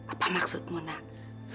apa maksudmu nanda